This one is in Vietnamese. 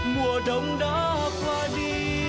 mùa đông đã qua đi